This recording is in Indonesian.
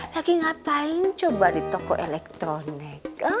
haki ngapain coba di toko elektronik